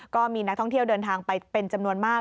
ก็มีนักท่องเที่ยวเดินทางไปเป็นจำนวนมาก